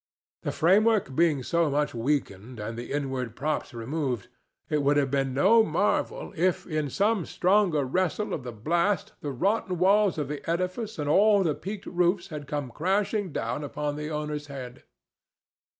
The framework being so much weakened and the inward props removed, it would have been no marvel if in some stronger wrestle of the blast the rotten walls of the edifice and all the peaked roofs had come crashing down upon the owner's head.